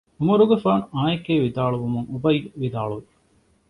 ޢުމަރުގެފާނު އާނއެކޭ ވިދާޅުވުމުން އުބައްޔު ވިދާޅުވި